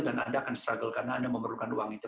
dan anda akan berjuang karena anda memerlukan uang